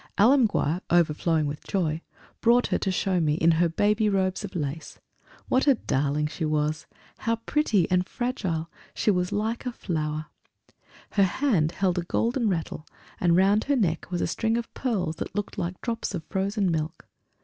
Alemguir, overflowing with joy, brought her to show me, in her baby robes of lace. What a darling she was! How pretty, and fragile.... She was like a Flower! Her little hand held a golden rattle, and round her neck was a string of great pearls that looked like drops of frozen milk.